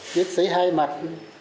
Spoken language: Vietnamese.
viết giấy hai mặt